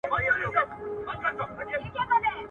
نن یې زما په غاړه خون دی نازوه مي .